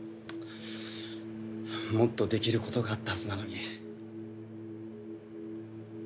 もっとできることがあったはずなのに。